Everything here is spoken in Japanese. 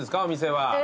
お店は。